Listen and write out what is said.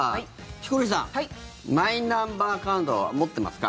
ヒコロヒーさんマイナンバーカンドは持ってますか？